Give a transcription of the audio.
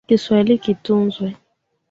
Kiswahili kitukuzwe